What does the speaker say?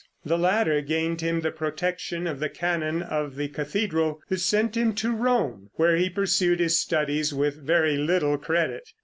The latter gained him the protection of the canon of the cathedral who sent him to Rome, where he pursued his studies with very little credit.